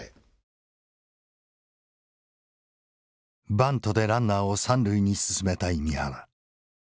バントでランナーを三塁に進めたい三原。